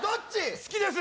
好きです！